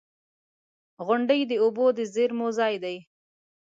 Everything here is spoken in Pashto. • غونډۍ د اوبو د زیرمو ځای دی.